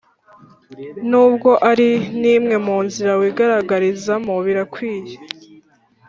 nubwo ari n imwe mu nzira wigaragarizamo birakwiye